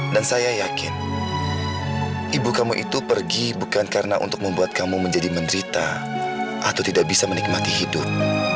dan saya yakin ibu kamu itu pergi bukan karena untuk membuat kamu menjadi menderita atau tidak bisa menikmati hidup